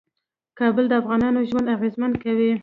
کابل د افغانانو ژوند اغېزمن کوي.